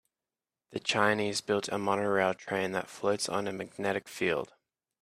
The Chinese built a monorail train that floats on a magnetic field.